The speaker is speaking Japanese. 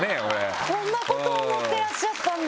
「こんなこと思ってらっしゃったんだ」